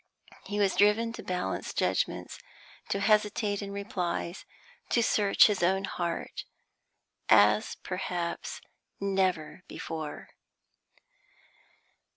He was driven to balance judgments, to hesitate in replies, to search his own heart, as perhaps never before.